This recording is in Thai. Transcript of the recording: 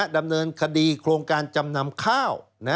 ดำเนินคดีโครงการจำนำข้าว